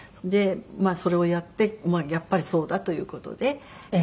でそれをやってやっぱりそうだという事で。